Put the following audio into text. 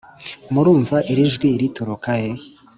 murumva iri jwi riturukahe ?